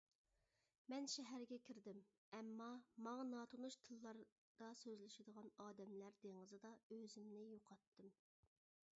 مەن شەھەرگە كىردىم ئەمما ماڭا ناتونۇش تىللاردا سۆزلىشىدىغان ئادەملەر دېڭىزىدا ئۆزۈمنى يوقاتتىم.